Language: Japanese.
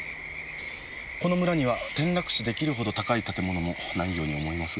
この村には転落死出来るほど高い建物もないように思いますが。